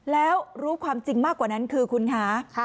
แล้วรู้ความจริงมากกว่านั้นคือคุณคะ